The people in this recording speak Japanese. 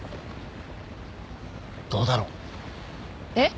どうだろう？えっ？